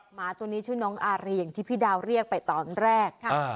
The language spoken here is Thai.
หมาตัวนี้ชื่อน้องอารีอย่างที่พี่ดาวเรียกไปตอนแรก